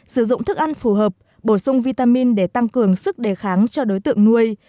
sử dụng thức ăn phù hợp bổ sung vitamin để tăng cường sức đề kháng cho đối tượng nuôi